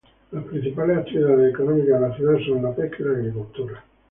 Las principales actividades económicas de la ciudad son la pesca y la agricultura.